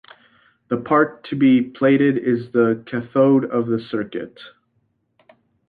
The part to be plated is the cathode of the circuit.